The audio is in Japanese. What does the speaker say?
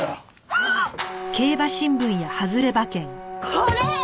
これ！